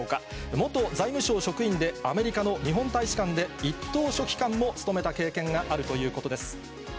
元財務省職員で、アメリカの日本大使館で一等書記官も務めた経験があるということです。